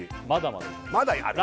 まだあるよ